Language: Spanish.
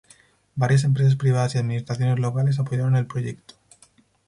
Varias empresas privadas y administraciones locales apoyaron el proyecto.